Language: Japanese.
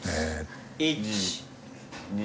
１・２。